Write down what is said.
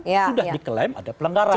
ya sudah diklaim ada pelanggaran cuma